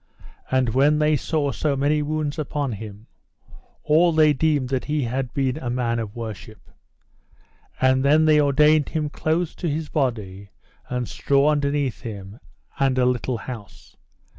And when they saw so many wounds upon him, all they deemed that he had been a man of worship. And then they ordained him clothes to his body, and straw underneath him, and a little house.